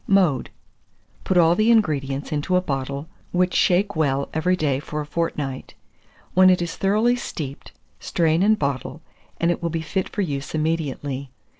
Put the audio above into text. Mode. Put all the ingredients into a bottle, which shake well every day for a fortnight. When it is thoroughly steeped, strain and bottle, and it will be fit for use immediately.